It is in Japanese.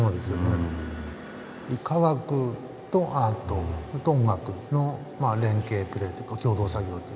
科学とアートと音楽の連係プレーというか共同作業というか。